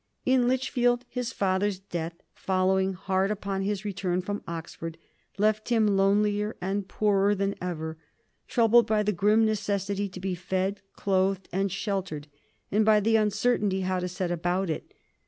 In Lichfield his father's death, following hard upon his return from Oxford, left him lonelier and poorer than ever, troubled by the grim necessity to be fed, clothed, and sheltered, and by the uncertainty how to set about it.